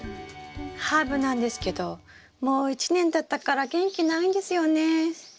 ハーブなんですけどもう１年たったから元気ないんですよね。